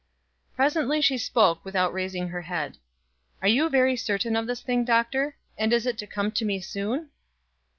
Presently she spoke without raising her head. "Are you very certain of this thing, Doctor, and is it to come to me soon?"